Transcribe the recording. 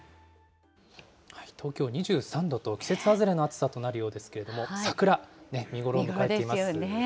東京２３度と季節外れの暑さとなるようですけれども、桜、見見頃ですよね。